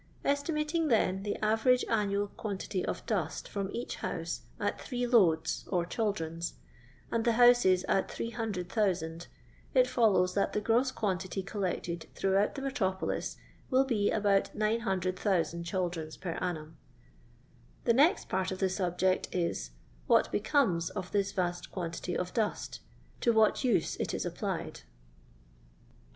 Estimating, then, the average annual quantity of diut firom each house at three loads, or chaldrons, and the houses at 300,000, it follows that the grou quantity collected throughout the metropolis will be ibout 900,000 chaldrons per annum. The next part of the subject is — what becomes of this vast quantity of dust — to what use it is applied.